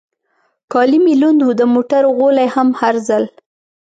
کالي مې لوند و، د موټر غولی هم هر ځل.